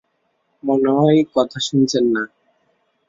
মনে হয় কথা শুনছেন না।